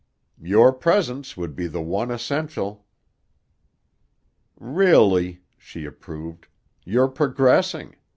"Your presence would be the one essential." "Really," she approved, "you're progressing.